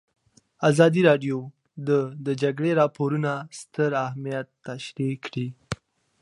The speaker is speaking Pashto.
ازادي راډیو د د جګړې راپورونه ستر اهميت تشریح کړی.